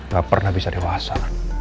gak pernah bisa dewasa